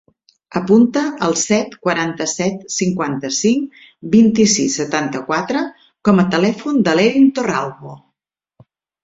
Apunta el set, quaranta-set, cinquanta-cinc, vint-i-sis, setanta-quatre com a telèfon de l'Erin Torralbo.